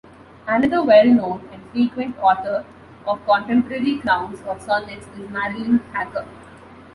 Another well-known and frequent author of contemporary crowns of sonnets is Marilyn Hacker.